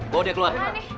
bawa dia keluar